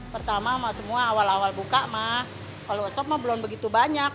pertama mah semua awal awal buka mah kalau sop mah belum begitu banyak